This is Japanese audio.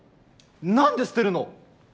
何で捨てるの？